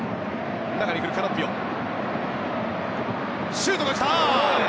シュートが来た。